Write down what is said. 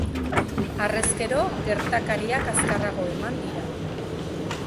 Harrezkero, gertakariak azkarrago eman dira.